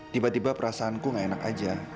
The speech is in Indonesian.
tiba tiba perasaanku gak enak aja